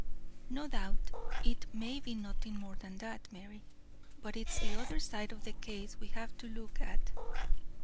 "No doubt, it may be nothing more than that, Mary; but it's the other side of the case we have to look at.